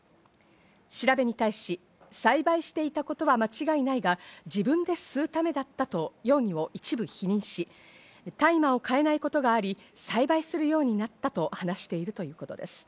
調べに対し、栽培していたことは間違いないが、自分で吸うためだったと容疑を一部否認し、大麻を買えないことがあり、栽培するようになったと話しているということです。